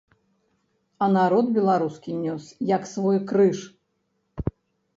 А народ беларускі нёс, як свой крыж.